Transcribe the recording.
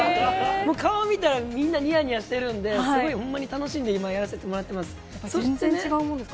顔見たら、みんなにやにやしてるんで、すごいほんまに楽しんで今、全然違うもんですか？